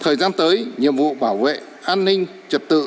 thời gian tới nhiệm vụ bảo vệ an ninh trật tự